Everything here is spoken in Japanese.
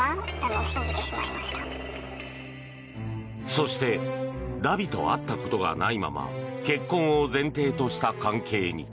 そしてダビと会ったことがないまま結婚を前提とした関係に。